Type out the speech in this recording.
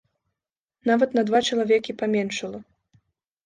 Нават на два чалавекі паменшала.